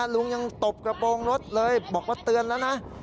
ลุงยังตบกระโปรงรถเลยบอกว่าเตือนแล้วนะ